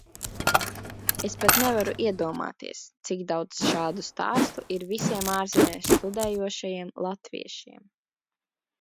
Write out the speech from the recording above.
Es pat nevaru iedomāties, cik daudz šādu stāstu ir visiem ārzemēs studējošajiem latviešiem.